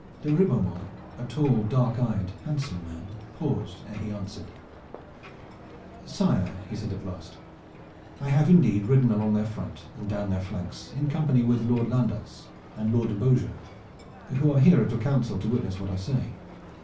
De Ribeaumont, a tall dark eyed handsome man, paused ere he answered. "Sire," he said at last, "I have indeed ridden along their front and down their flanks, in company with Lord Landas and Lord de Beaujeu, who are here at your council to witness to what I say.